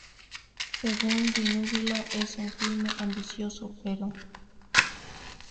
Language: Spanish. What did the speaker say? Según Di Núbila es un filme ambicioso pero